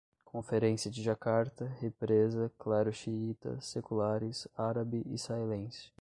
Conferência de Jacarta, represa, clero xiita, seculares, árabe-israelense